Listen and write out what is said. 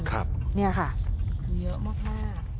ครับเนี่ยค่ะมีเยอะมากค่ะ